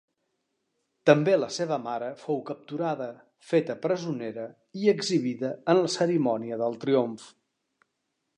També la seva mare fou capturada, feta presonera i exhibida en la cerimònia del triomf.